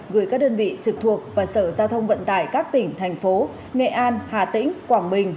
gửi các đơn vị trực thuộc và sở giao thông vận tải các tỉnh thành phố nghệ an hà tĩnh quảng bình